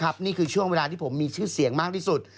นี่คือช่วงเวลาที่ผมมีชื่อเสียงมากที่สุด